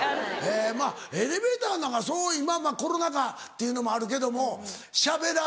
まぁエレベーターなんかそう今まぁコロナ禍っていうのもあるけどもしゃべらない。